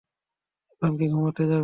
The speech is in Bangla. এখন কি ঘুমাতে যাবে?